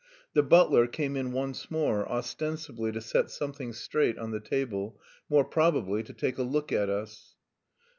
The butler came in once more, ostensibly to set something straight on the table, more probably to take a look at us.